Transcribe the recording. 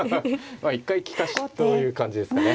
まあ一回利かしという感じですかね。